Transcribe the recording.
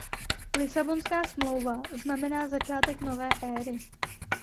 Lisabonská smlouva znamená začátek nové éry.